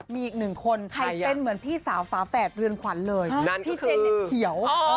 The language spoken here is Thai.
มีอีก๑คนใครเป็นเหมือนพี่สาวฝาแฝดเรื่อนขวัญเลย